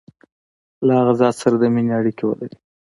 له هغه ذات سره د مینې اړیکي ولري.